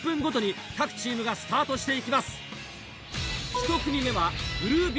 １組目は。